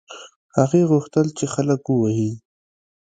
هغې غوښتل چې خلک ووهي.